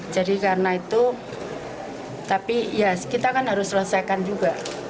karena itu tapi ya kita kan harus selesaikan juga